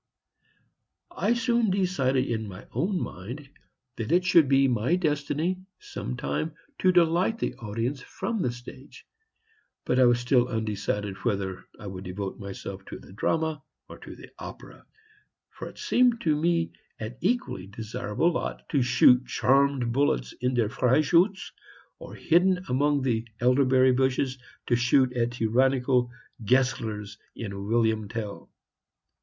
I soon decided in my own mind that it should be my destiny, some time, to delight the audience from the stage, but I was still undecided whether I would devote myself to the drama or the opera, for it seemed to me an equally desirable lot to shoot charmed bullets in "Der Freischutz," or, hidden behind elderberry bushes, to shoot at tyrannical Geslers in "William Tell."